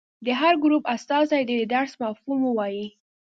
د هر ګروپ استازي دې د درس مفهوم ووايي.